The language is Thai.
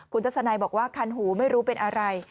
คุณทัศนัยบอกว่าคันหูไม่รู้เป็นอะไร